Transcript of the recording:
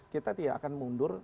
kita tidak akan mundur